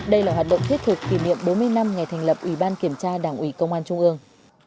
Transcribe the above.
đây là hoạt động thiết thực kỷ niệm bốn mươi năm ngày thành lập ủy ban kiểm tra đảng ủy công an trung ương